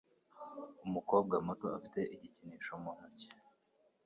Umukobwa muto afite igikinisho mu ntoki.